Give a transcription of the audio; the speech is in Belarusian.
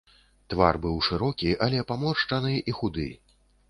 Твар быў шырокі, але паморшчаны і худы.